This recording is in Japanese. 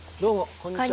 こんにちは。